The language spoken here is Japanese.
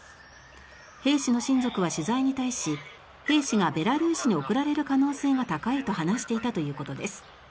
兵士の親族は取材に対し兵士がベラルーシに送られる可能性が高いと話していたということです。